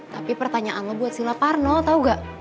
tapi pertanyaan lu buat silaparno tau gak